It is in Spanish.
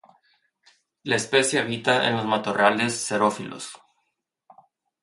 La especie habita en matorrales xerófilos.